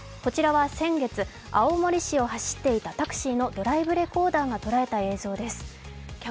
こちらは先月、青森市を走っていたタクシーのドライブレコーダーがとらえた映像です。